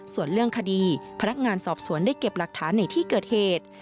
ส่วนเรื่องคดีพนักงานสอบสวนได้เก็บหลักฐานในที่เกิดเหตุ